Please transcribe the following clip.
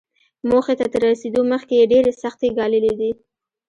موخې ته تر رسېدو مخکې يې ډېرې سختۍ ګاللې دي.